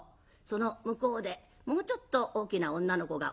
その向こうでもうちょっと大きな女の子がおるじゃろ？